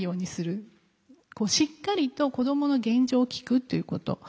しっかりと子どもの現状を聞くということ。